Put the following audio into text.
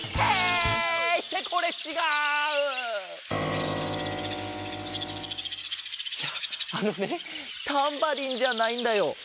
いやあのねタンバリンじゃないんだよ。